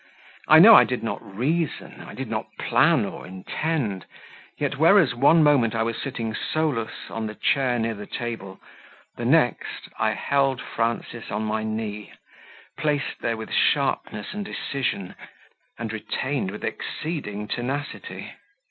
I know I did not reason, I did not plan or intend, yet, whereas one moment I was sitting solus on the chair near the table, the next, I held Frances on my knee, placed there with sharpness and decision, and retained with exceeding tenacity.